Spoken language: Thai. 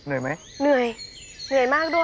เหนื่อยไหมเนื่อยมากด้วยเนื่อยบ๊ายบ๊าย